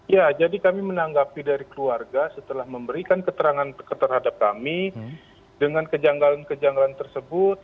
ya jadi kami menanggapi dari keluarga setelah memberikan keterangan terhadap kami dengan kejanggalan kejanggalan tersebut